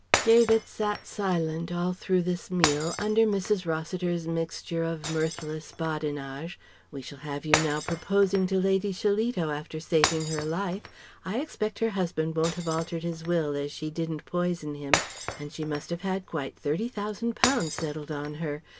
David sat silent all through this meal, under Mrs. Rossiter's mixture of mirthless badinage: "We shall have you now proposing to Lady Shillito after saving her life! I expect her husband won't have altered his will as she didn't poison him, and she must have had quite thirty thousand pounds settled on her....